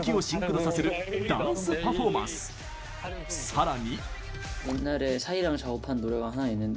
さらに。